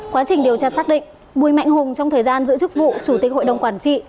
quá trình điều tra xác định bùi mạnh hùng trong thời gian giữ chức vụ chủ tịch hội đồng quản trị